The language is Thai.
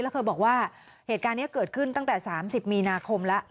แล้วเธอบอกว่าเหตุการณ์นี้เกิดขึ้นตั้งแต่๓๐มีนาคมแล้ว